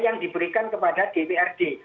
yang diberikan kepada dprd